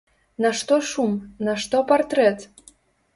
Нашто шум, нашто партрэт?